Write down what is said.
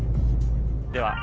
では。